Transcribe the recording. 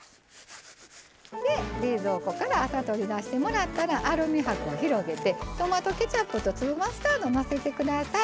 冷蔵庫から朝取り出してもらったらアルミはくを広げてトマトケチャップと粒マスタードをのせてください。